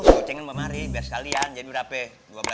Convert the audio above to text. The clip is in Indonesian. gocengan mbak mari biar sekalian jadi berapa ya